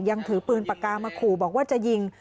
ถือปืนปากกามาขู่บอกว่าจะยิง